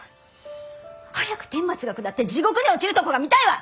早く天罰が下って地獄に落ちるとこが見たいわ！